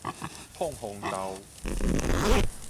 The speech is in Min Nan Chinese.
膨風豆